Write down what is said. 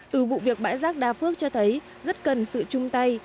từ vụ việc bãi rác đa phước cho thấy rất cần sự chung tay